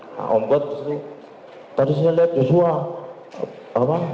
nah om kuat terus tadi saya lihat yosua naik turun tangga